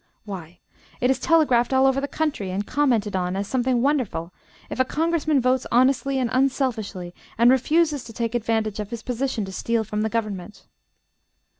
Why, it is telegraphed all over the country and commented on as something wonderful if a congressman votes honestly and unselfishly and refuses to take advantage of his position to steal from the government."